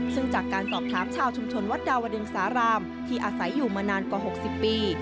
ซึ่งจากการสอบถามชาวชุมชนวัดดาวดึงสารามที่อาศัยอยู่มานานกว่า๖๐ปี